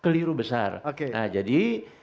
juru besar oke nah jadi